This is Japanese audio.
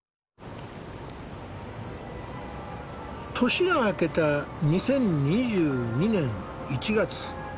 年が明けた２０２２年１月。